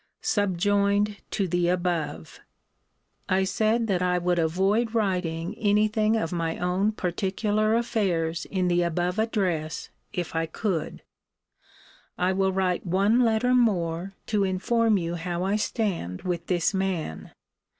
SUBJOINED TO THE ABOVE. I said, that I would avoid writing any thing of my own particular affairs in the above address, if I could. I will write one letter more, to inform you how I stand with this man.